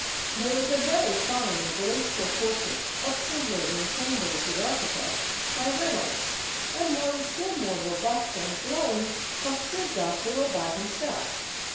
There is a very fine graceful portrait of Sir William Chambers, the architect, by Reynolds, and one still more robust and glowing of Sir Joshua by himself.